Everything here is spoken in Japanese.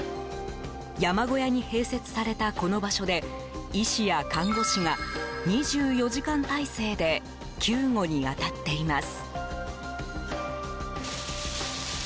山小屋に併設されたこの場所で医師や看護師が、２４時間体制で救護に当たっています。